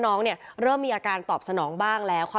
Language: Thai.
ลองไปดูบรรยากาศช่วงนั้นนะคะ